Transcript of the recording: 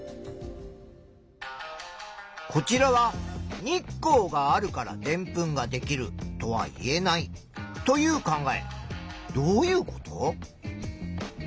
こちらは「日光があるからでんぷんができるとは言えない」という考え。